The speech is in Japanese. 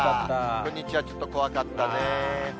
こんにちは、ちょっと怖かったね。